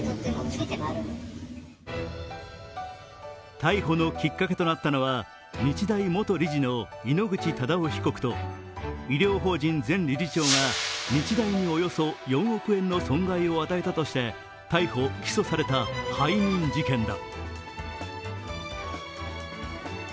逮捕のきっかけとなったのは日大元理事の井ノ口忠男被告と医療法人前理事長が日大におよそ４億円の損害を与えたとして逮捕・起訴された背任事件だ。